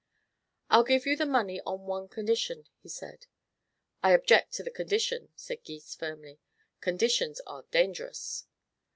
"I'll give you the money on one condition," he said. "I object to the condition," said Gys firmly. "Conditions are dangerous."